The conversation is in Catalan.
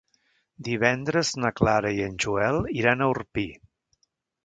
Divendres na Clara i en Joel iran a Orpí.